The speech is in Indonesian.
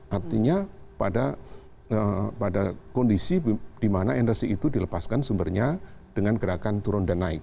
artinya pada kondisi di mana energi itu dilepaskan sumbernya dengan gerakan turun dan naik